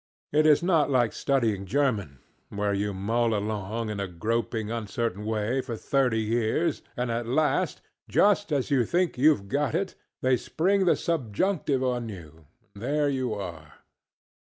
It is not like studying German, where you mull along, in a groping, uncertain way, for thirty years; and at last, just as you think youŌĆÖve got it, they spring the subjunctive on you, and there you are.